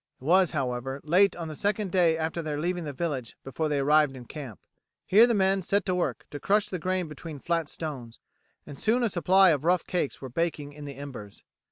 It was, however, late on the second day after their leaving the village before they arrived in camp. Here the men set to work to crush the grain between flat stones, and soon a supply of rough cakes were baking in the embers.